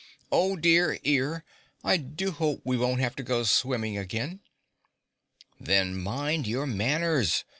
"Oh, dear ear, I do hope we won't have to go swimming again." "Then mind your manners!"